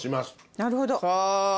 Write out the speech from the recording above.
なるほど。